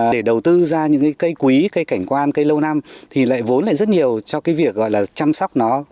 để đầu tư ra những cái cây quý cây cảnh quan cây lâu năm thì lại vốn lại rất nhiều cho cái việc gọi là chăm sóc nó